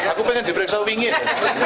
aku pengen diperiksa wingnya